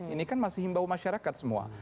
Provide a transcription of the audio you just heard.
ini kan masih himbau masyarakat semua